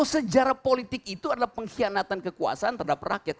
sejarah politik itu adalah pengkhianatan kekuasaan terhadap rakyat